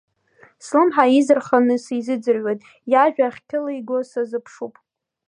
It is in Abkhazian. Слымҳа изырханы сизыӡырҩуеит, иажәа ахькылиго сазыԥшуп.